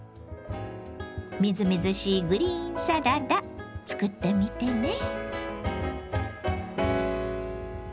みずみずしいグリーンサラダ作ってみてね。